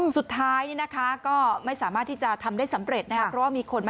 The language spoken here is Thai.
สุดท้ายก็ไม่สามารถที่จะทำได้สำเร็จนะครับ